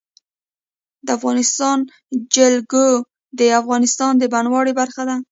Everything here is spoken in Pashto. د افغانستان جلکو د افغانستان د بڼوالۍ برخه ده.